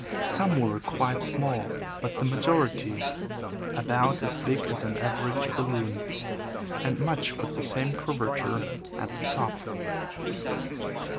Some were quite small, but the majority about as big as an average balloon, and with much the same curvature at the top.